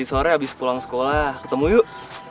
sore abis pulang sekolah ketemu yuk